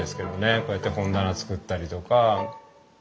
こうやって本棚作ったりとか。